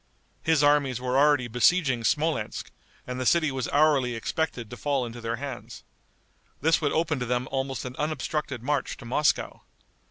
His armies were already besieging Smolensk, and the city was hourly expected to fall into their hands. This would open to them almost an unobstructed march to Moscow.